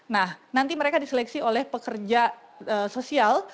nah nanti mereka diseleksi oleh pekerja sosial